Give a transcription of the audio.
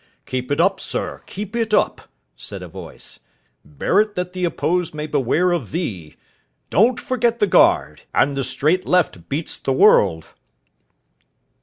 "Keep it up, sir, keep it up," said a voice. "Bear't that the opposed may beware of thee. Don't forget the guard. And the straight left beats the world."